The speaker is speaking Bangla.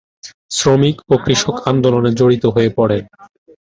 শ্রমিক ও কৃষক আন্দোলনের সাথে জড়িত হয়ে পড়েন।